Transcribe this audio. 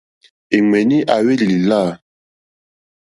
Èɱwèní à hwélì lìlâ.